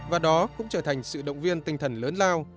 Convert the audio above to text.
và đó cũng trở thành sự động viên tinh thần lớn lao